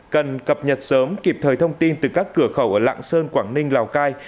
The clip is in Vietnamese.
cần cập nhật sớm kịp thời thông tin từ các cửa khẩu ở lạng sơn quảng ninh lào cai